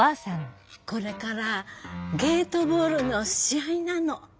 これからゲートボールの試合なの。